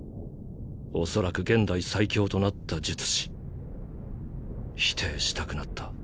おそらく現代最強となった術師。否定したくなった。